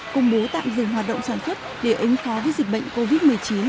công bố tạm dừng hoạt động sản xuất để ứng phó với dịch bệnh covid một mươi chín